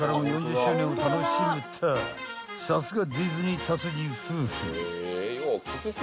［さすがディズニー達人夫婦］